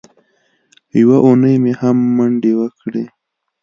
یوه اونۍ مې هم منډې وکړې.